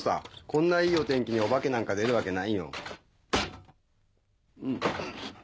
こんないいお天気にお化けなんか出るわけないよ。